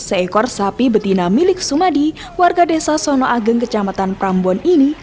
seekor sapi betina milik sumadi warga desa sono ageng kecamatan prambon ini